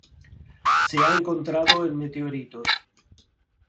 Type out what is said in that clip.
Se ha encontrado en meteoritos.